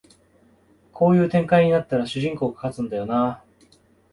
こういう展開になったら主人公が勝つんだよなあ